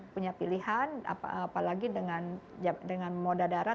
punya pilihan apalagi dengan moda darat